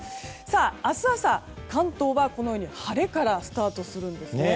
明日朝、関東は晴れからスタートするんですね。